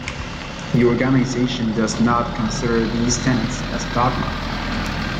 The organisation does not consider these tenets as dogma.